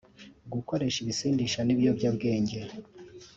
gukoresha ibisindisha n’ibiyobyabwenge